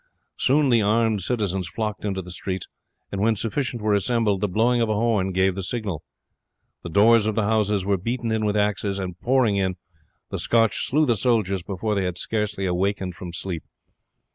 Soon the armed citizens flocked into the streets, and when sufficient were assembled the blowing of a horn gave the signal. The doors of the houses were beaten in with axes, and, pouring in, the Scotch slew the soldiers before they had scarce awakened from sleep.